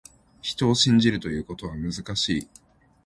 人を信じるということは、難しい。